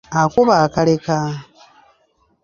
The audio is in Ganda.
Akuba akaleka.